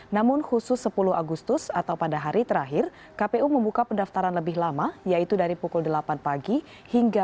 namun khusus sepuluh agustus atau pada hari terakhir kpu membuka pendaftaran lebih lama yaitu dari pukul delapan pagi hingga dua puluh